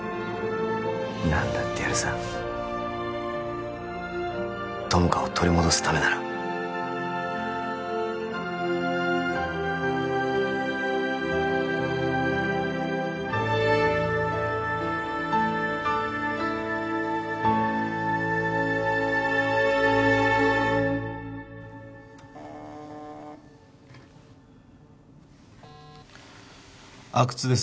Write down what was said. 何だってやるさ友果を取り戻すためなら阿久津です